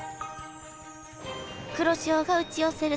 黒潮が打ち寄せる